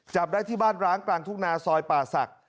จับได้ที่บ้านร้างกลางทุ่งนาซอยป่าศักดิ